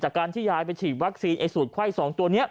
การที่ยายไปฉีดวัคซีนไอ้สูตรไข้๒ตัวนี้